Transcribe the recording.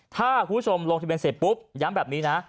ถ้าคุณผู้ชมลงทะเบียนเสร็จปุ๊บย้ำแบบนี้นะ